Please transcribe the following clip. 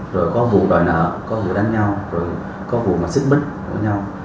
rồi có vụ đòi nợ có vụ đánh nhau có vụ mà xức bích với nhau